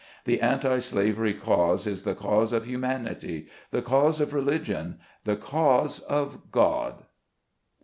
The anti slavery cause is the cause of Humanity, the cause of Religion, the cause of God!